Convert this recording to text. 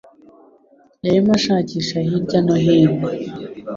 yarimo ashakisha hirya no hino.